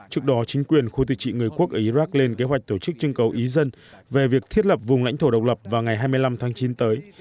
trước đó chính quyền khu tự trị người quốc ở iraq lên kế hoạch tổ chức trưng cầu ý dân về việc thiết lập vùng lãnh thổ độc lập vào ngày hai mươi năm tháng chín tới